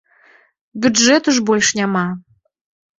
Бюджэту ж больш няма!